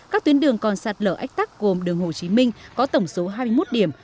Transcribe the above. các tuyến đường còn sạt lở ách tắc gồm đường hồ chí minh có tổng số hai mươi một điểm